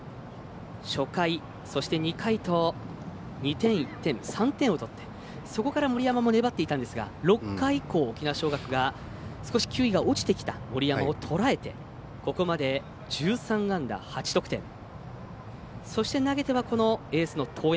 初回、そして２回と２点、１点３点を取って、そこから森山も粘っていたんですが６回以降、沖縄尚学が少し球威が落ちてきた森山をとらえてここまで、１３安打８得点そして、投げてはエースの森山。